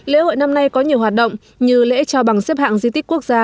lễ hội năm nay có nhiều hoạt động như lễ trao bằng xếp hạng di tích quốc gia